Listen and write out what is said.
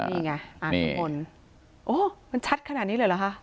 นี่ไงอ่านน้ำมนต์โอ้มันชัดขนาดนี้เลยเหรอคะ